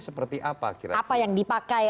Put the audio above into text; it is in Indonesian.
seperti apa kira apa yang dipakai